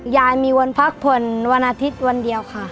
ยายมีวันพักผ่อนวันอาทิตย์วันเดียวค่ะ